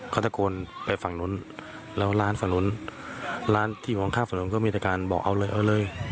เขาตะโกนไปฝั่งนู้นแล้วร้านฝั่งนู้นร้านที่มองข้ามถนนก็มีแต่การบอกเอาเลยเอาเลย